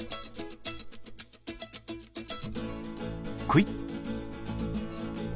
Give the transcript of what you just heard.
クイッ。